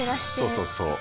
そうそうそう。